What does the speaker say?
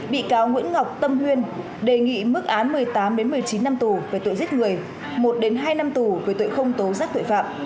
bị cáo nguyễn ngọc tâm huyên đề nghị mức án một mươi tám một mươi chín năm tù về tội giết người một hai năm tù về tội không tố giác tội phạm